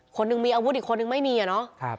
คนหนึ่งมีอาวุธอีกคนนึงไม่มีอ่ะเนาะ